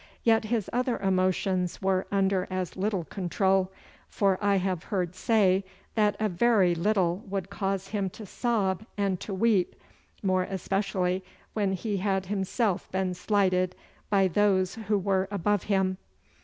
Yet his other emotions were under as little control, for I have heard say that a very little would cause him to sob and to weep, more especially when he had himself been slighted by those who were above him.